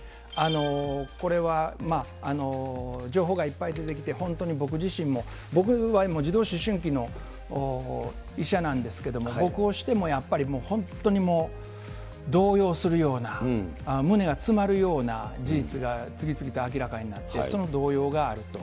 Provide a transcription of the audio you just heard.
これは情報がいっぱい出てきて、本当に僕自身も、僕は児童の医者なんですけれども、僕をしてもやっぱり、本当にもう、動揺するような胸が詰まるような事実が次々と明らかになって、その動揺があると。